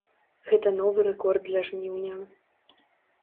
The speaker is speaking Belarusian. Гэта новы рэкорд для жніўня.